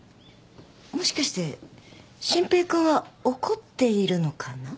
もしかして真平君は怒っているのかな？